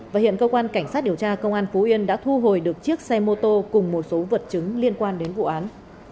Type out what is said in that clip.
và hiện cơ quan cảnh sát điều tra công an phú yên đã thu hồi được chiếc xe mô tô cùng một số vật chứng liên quan đến vụ án